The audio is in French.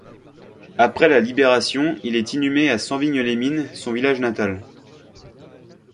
Après la Libération, il est inhumé à Sanvignes-les-Mines, son village natal.